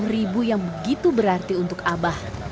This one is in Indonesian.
dua puluh ribu yang begitu berarti untuk abah